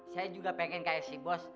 saya juga pengen kayak si bos